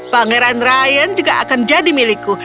pangeran ryan juga akan jadi milikku